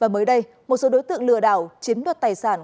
mới đây một số đối tượng lừa đảo chiếm đoạt tài sản